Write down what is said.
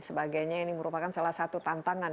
sebagainya ini merupakan salah satu tantangan